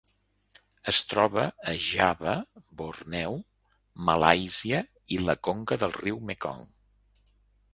Es troba a Java, Borneo, Malàisia i la conca del riu Mekong.